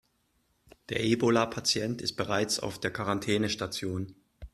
Der Ebola-Patient ist bereits auf der Quarantänestation.